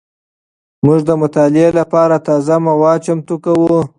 موږ د مطالعې لپاره تازه مواد چمتو کوو.